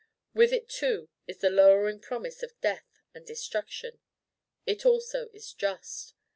With it too is the lowering promise of death and destruction. It also is just.